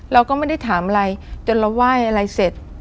เราก็ไม่ได้ถามอะไรจนเราไหว้อะไรเสร็จ